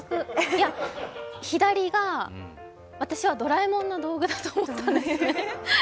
いや、左が私はドラえもんの道具だと思ったんですよ。